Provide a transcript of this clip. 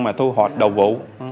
mà thu hoạch đầu vụ